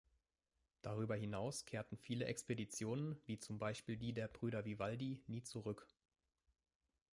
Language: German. Darüber hinaus kehrten viele Expeditionen wie zum Beispiel die der Brüder Vivaldi nie zurück.